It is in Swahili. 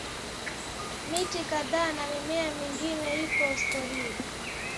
miti kadhaa na mimea mingine iko Historia